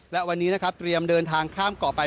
และวันนี้นะครับเตรียมเดินทางข้ามเกาะไป